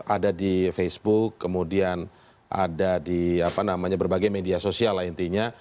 ada di facebook kemudian ada di berbagai media sosial lah intinya